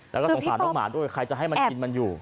แล้วก็สงสารน้องหมาด้วยใครจะให้มันกินมันอยู่